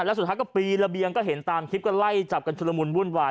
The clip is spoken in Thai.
แล้วสุดท้ายก็ปีนระเบียงก็เห็นตามคลิปก็ไล่จับกันชุดละมุนวุ่นวาย